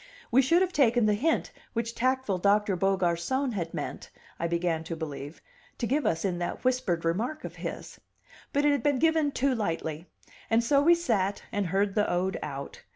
We should have taken the hint which tactful Doctor Beaugarcon had meant, I began to believe, to give us in that whispered remark of his. But it had been given too lightly, and so we sat and heard the ode out.